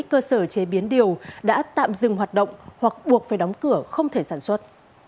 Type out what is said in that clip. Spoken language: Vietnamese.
cơ sở chế biến điều đã tạm dừng hoạt động hoặc buộc phải đóng cửa không thể sản xuất